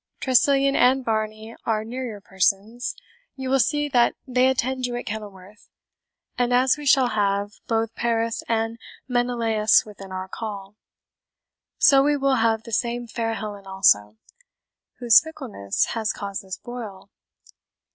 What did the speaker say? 'Tressilian and Varney are near your persons you will see that they attend you at Kenilworth. And as we shall then have both Paris and Menelaus within our call, so we will have the same fair Helen also, whose fickleness has caused this broil.